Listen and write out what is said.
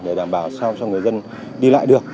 để đảm bảo cho người dân đi lại được